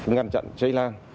ngăn chặn cháy lan